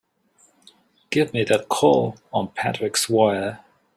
Give me that call on Patrick's wire!